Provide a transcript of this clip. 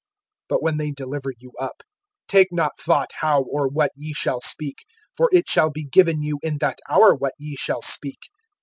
(19)But when they deliver you up, take not thought how or what ye shall speak; for it shall be given you in that hour what ye shall speak.